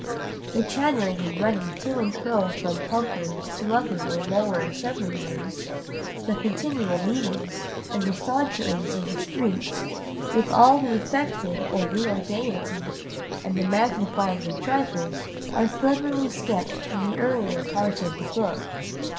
The chattering and running to and fro from Pump rooms to Upper or Lower Assembly rooms, the continual meetings, and the saunterings in the streets, with all the affected or real gaiety, and the magnifying of trifles, are cleverly sketched in the earlier part of the book.